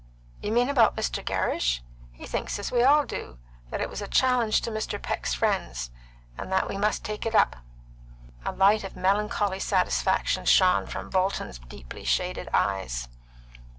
"You mean about Mr. Gerrish? He thinks as we all do; that it was a challenge to Mr. Peck's friends, and that we must take it up." A light of melancholy satisfaction shone from Bolton's deeply shaded eyes.